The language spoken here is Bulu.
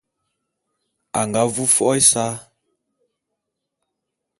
A nga vu fo’o ésa.